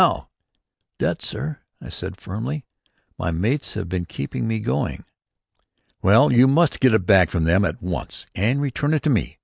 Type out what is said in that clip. How?" "Debts, sir," I said firmly. "My mates have been keeping me going." "Well, you must get it back from them at once and return it to me.